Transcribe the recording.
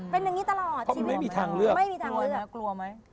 เป็นอย่างนี้ตลอดชีวิตน่ะไม่มีทางเลือกดีกว่านะกลัวไหม